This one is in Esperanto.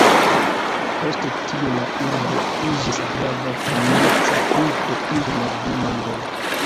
Post tio la urbo iĝis grava komerca punkto inter la du landoj.